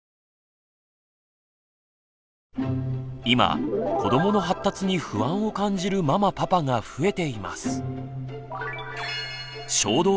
今子どもの発達に不安を感じるママパパが増えています。